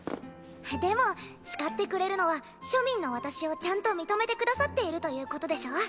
でも叱ってくれるのは庶民の私をちゃんと認めてくださっているということでしょう？